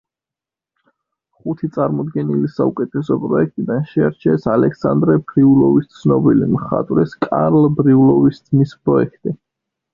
ხუთი წარმოდგენილი საუკეთესო პროექტიდან შეარჩიეს ალექსანდრე ბრიულოვის, ცნობილი მხატვრის კარლ ბრიულოვის ძმის, პროექტი.